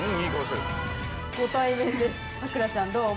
さくらちゃんどう？